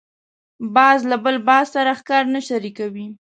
باز له بل باز سره ښکار نه شریکوي